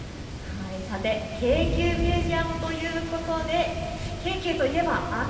京急ミュージアムということで京急といえば赤。